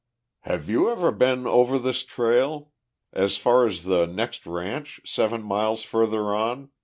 "Have you ever been over this trail? As far as the next ranch, seven miles further on?"